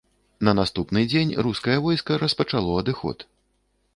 На наступны дзень рускае войска распачало адыход.